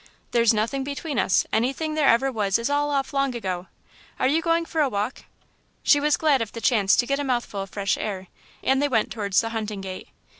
There's nothing between us; anything there ever was is all off long ago.... Are you going for a walk?" She was glad of the chance to get a mouthful of fresh air, and they went towards the hunting gate.